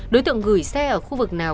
đối tượng gửi xe ở khu vực nào